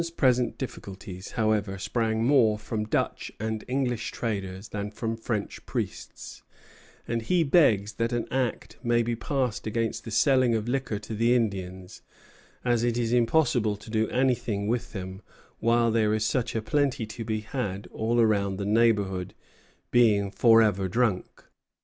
_] Johnson's present difficulties, however, sprang more from Dutch and English traders than from French priests, and he begs that an Act may be passed against the selling of liquor to the Indians, "as it is impossible to do anything with them while there is such a plenty to be had all round the neighborhood, being forever drunk."